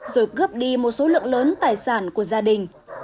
rồi cướp đi một số lượng lớn tài sản của gia đình